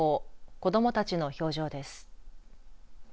子どもたちの表情です。